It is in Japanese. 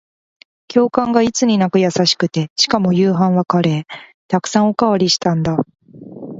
教官がいつになく優しくて、しかも夕飯はカレー。沢山おかわりしたんだ。